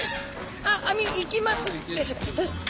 あっあみいきます！